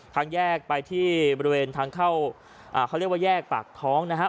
ทางแยกไปที่บริเวณทางเข้าเขาเรียกว่าแยกปากท้องนะฮะ